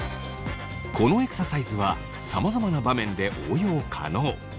このエクササイズはさまざまな場面で応用可能。